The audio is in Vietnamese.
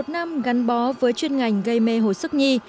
một mươi một năm gắn bó với chuyên ngành gây mê hồi sức nhi